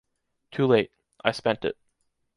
Too late. I spent it.